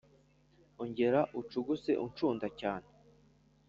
Ongera ucuguse incunda cyane